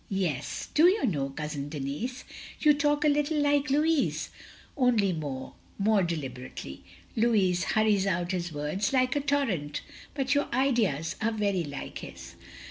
"Yes. Do you know, Cousin Denis, you talk a little like Louis, only more — ^more de liberately. Louis hurries out his words like a torrent. But your ideas are very like his.